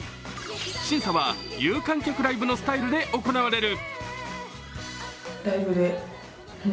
審査は有観客ライブのスタイルで行われる。